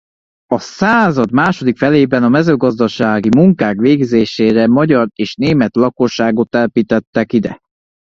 A század második felében a mezőgazdasági munkák végzésére magyar és német lakosságot telepítettek ide.